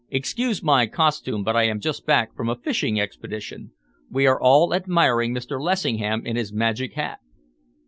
Excuse my costume, but I am just back from a fishing expedition. We are all admiring Mr. Lessingham in his magic hat."